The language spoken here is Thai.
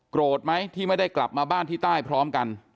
ไหมที่ไม่ได้กลับมาบ้านที่ใต้พร้อมกัน